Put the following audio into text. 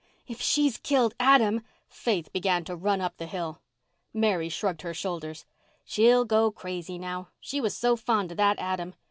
"If she has killed Adam—" Faith began to run up the hill. Mary shrugged her shoulders. "She'll go crazy now. She was so fond of that Adam.